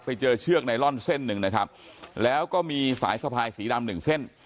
เชือกไนลอนเส้นหนึ่งนะครับแล้วก็มีสายสะพายสีดำหนึ่งเส้น